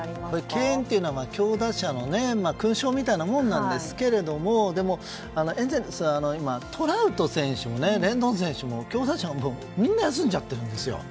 敬遠というのは強打者の勲章みたいな感じですけどでも、エンゼルスは今トラウト選手も、レンドン選手も強打者がみんな休んでいるんですよね。